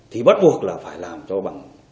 thì bắt buộc là phải làm cho bằng